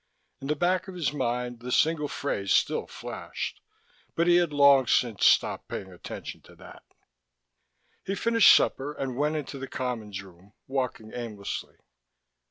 In the back of his mind the single phrase still flashed, but he had long since stopped paying attention to that. He finished supper and went into the Commons Room, walking aimlessly.